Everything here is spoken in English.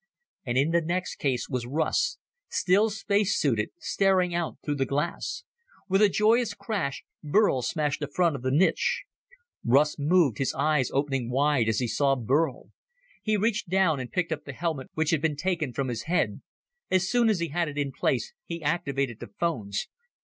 And in the next case was Russ, still space suited, staring out through the glass. With a joyous crash, Burl smashed the front of the niche. Russ moved, his eyes opening wide as he saw Burl. He reached down quickly and picked up the helmet which had been taken from his head. As soon as he had it in place, he activated the phones.